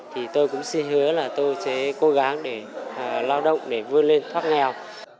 thì tôi cũng xin hứa là tôi sẽ cố gắng để lao động để vươn lên thoát nghèo